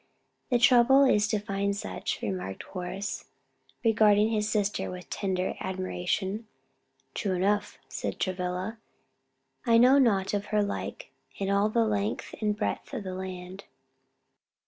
"The trouble is to find such," remarked Horace, regarding his sister with tender admiration. "True enough," said Travilla, "I know not of her like in all the length and breadth of the land."